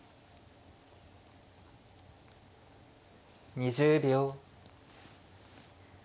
２０秒。